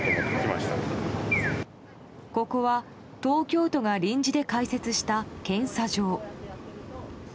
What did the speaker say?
ここは東京都が臨時で開設した検査場。